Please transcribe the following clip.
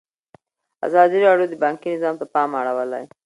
ازادي راډیو د بانکي نظام ته پام اړولی.